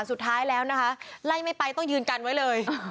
สุดท้ายแล้วนะคะไล่ไม่ไปต้องยืนกันไว้เลย